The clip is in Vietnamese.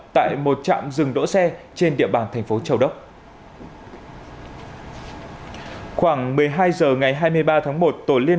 tại một trạm rừng đỗ xe trên địa bàn thành phố châu đốc ở khoảng một mươi hai giờ ngày hai mươi ba tháng một tổ liên